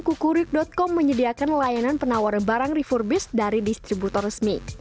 kukurik com menyediakan layanan penawaran barang refurbis dari distributor resmi